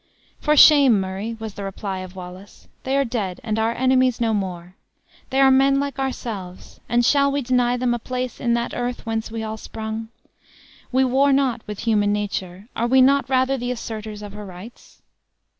"For shame, Murray!" was the reply of Wallace; "they are dead, and our enemies no more. They are men like ourselves, and shall we deny them a place in that earth whence we all sprung? We war not with human nature; are we not rather the asserters of her rights?"